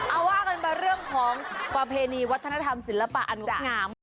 เออเอาว่าเป็นเรื่องของประเพณีวัฒนธรรมศิลปะอันงาม